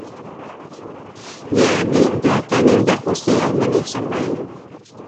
Йәнен дә, тәнен дә ҡурсый алманы Ихсанбайының.